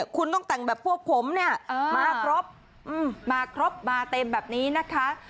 คุณต้องแต่งแบบพวกผมมาครบมาเต็มแบบนี้นะคะ